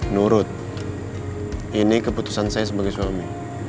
nurut ini keputusan saya sebagai suami